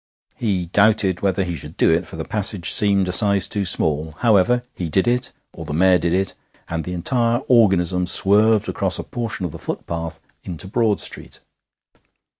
He doubted whether he should do it, for the passage seemed a size too small. However, he did it, or the mare did it, and the entire organism swerved across a portion of the footpath into Broad Street.